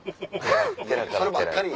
そればっかり。